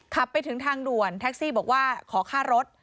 ขับไปถึงทางด่วนแท็กซี่บอกว่าขอค่ารถ